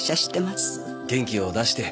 元気を出して。